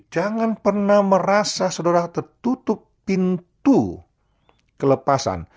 jangan pernah merasa saudara tertutup pintu kelepasan